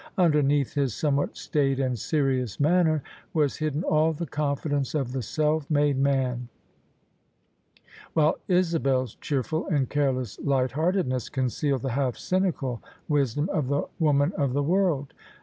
Underneath his somewhat staid and serious manner was hidden all the confidence of the self made man: while Isabel's cheerful and careless light heartedness concealed the half cynical wisdom of the woman of the world.